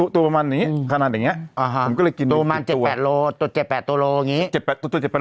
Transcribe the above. ตัวประมาณนี้ขนาดอย่างเงี้ยตัวประมาณ๗๘โลกรัมตัว๗๘โลกรัมอย่างนี้